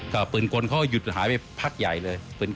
ก็ปืนกลเขาก็หยุดหายไปพักใหญ่เลย